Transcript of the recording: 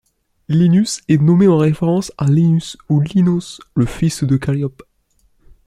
Linus est nommé en référence à Linus, ou Linos, le fils de Calliope.